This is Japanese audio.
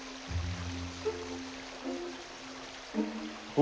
お。